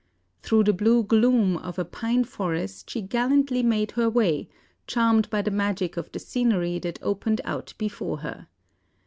Through the blue gloom of a pine forest she gallantly made her way, charmed by the magic of the scenery that opened out before her.